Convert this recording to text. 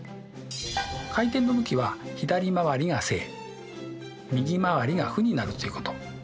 回転の向きは左回りが正右回りが負になるということ。